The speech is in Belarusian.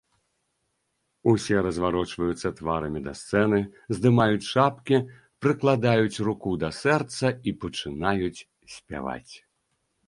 Усе разварочваюцца тварамі да сцэны, здымаюць шапкі, прыкладаюць руку да сэрца і пачынаюць спяваць.